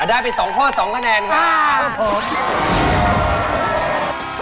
ได้ไป๒ข้อ๒คะแนนครับผม